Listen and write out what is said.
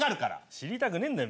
知りたくねえんだよ